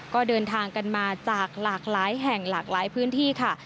ก็เดินทางกันมาจากหลากหลายแห่งหลากหลายพื้นที่ค่ะ